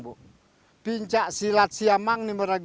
jadi pencak silat siadam ini artinya menyerang